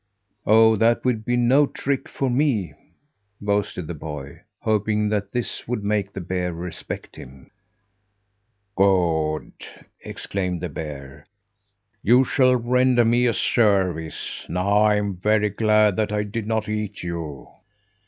"Oh, that would be no trick for me!" boasted the boy, hoping that this would make the bear respect him. "Good!" exclaimed the bear. "You shall render me a service. Now I'm very glad that I did not eat you!"